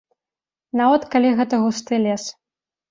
Нават калі гэта густы лес.